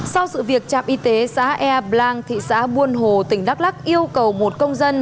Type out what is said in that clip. sau sự việc trạm y tế xã ea blang thị xã buôn hồ tỉnh đắk lắc yêu cầu một công dân